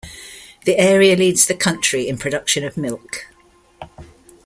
The area leads the country in production of milk.